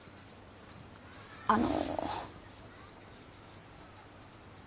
あの。